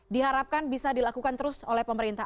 diharapkan bisa dilakukan terus oleh pemerintah